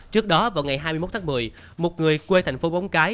trước đó vào ngày hai mươi một tháng một mươi một người quê thành phố bóng cái